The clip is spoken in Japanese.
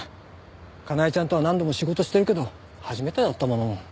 かなえちゃんとは何度も仕事してるけど初めてだったもの。